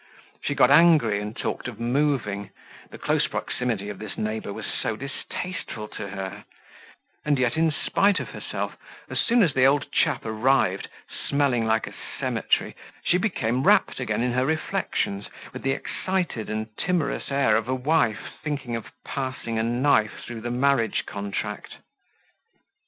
She got angry and talked of moving, the close proximity of this neighbor was so distasteful to her; and yet, in spite of herself, as soon as the old chap arrived, smelling like a cemetery, she became wrapped again in her reflections, with the excited and timorous air of a wife thinking of passing a knife through the marriage contract.